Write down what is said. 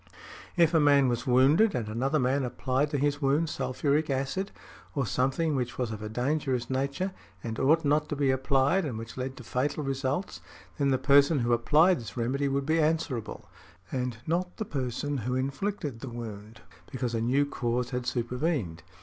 If a man was wounded and another man applied to his wound sulphuric acid, or something which was of a dangerous nature, and ought not to be applied, and which led to fatal results, then the person who applied this remedy would be answerable, and not the person who inflicted the wound, because a new cause had supervened.